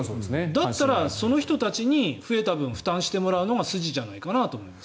だったらその人たちに増えた分負担してもらうのが筋じゃないかと思います。